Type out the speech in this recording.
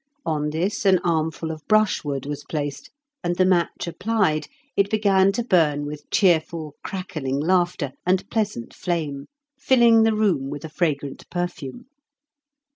On this an armful of brushwood was placed; and the match applied, it began to burn with cheerful crackling laughter and pleasant flame, filling the room with a fragrant perfume.